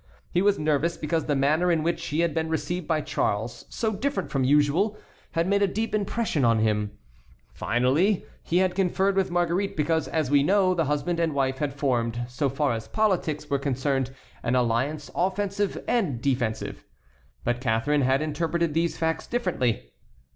He was nervous because the manner in which he had been received by Charles, so different from usual, had made a deep impression on him. Finally, he had conferred with Marguerite because, as we know, the husband and wife had formed, so far as politics were concerned, an alliance offensive and defensive. But Catharine had interpreted these facts differently.